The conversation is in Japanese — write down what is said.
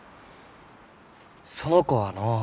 その子はのう。